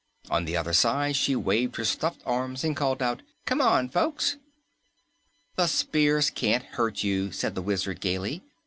On the other side, she waved her stuffed arms and called out, "Come on, folks. The spears can't hurt you." said the Wizard gaily.